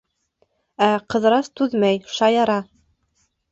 Ә Ҡыҙырас түҙмәй, шаяра.